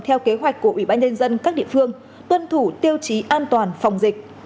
theo kế hoạch của ủy ban nhân dân các địa phương tuân thủ tiêu chí an toàn phòng dịch